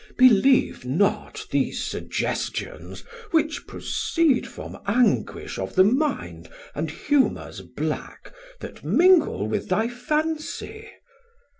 Man. Believe not these suggestions which proceed From anguish of the mind and humours black, 600 That mingle with thy fancy.